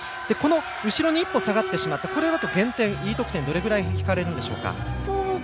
後ろに１歩下がってしまったこれだと減点、Ｅ得点どれくらい引かれるでしょうか。